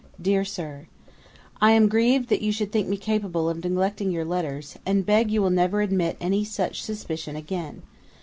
'DEAR SIR, 'I am grieved that you should think me capable of neglecting your letters; and beg you will never admit any such suspicion again.